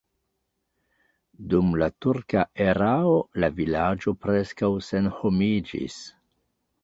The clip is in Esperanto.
Dum la turka erao la vilaĝo preskaŭ senhomiĝis.